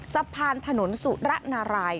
สะพานถนนสุระนาราย